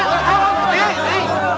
eh ke pintunya